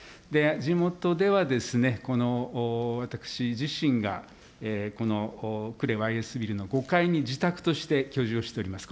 地元では、この私自身が、このくれわいえすビルの５階に自宅として居住をしております。